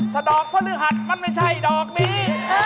ถ้าดอกพฤหัสมันไม่ใช่ดอกนี้